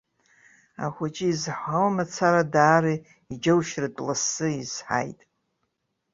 Ахәыҷы изҳауа мацара, даара иџьаушьаратәы лассы изҳаит.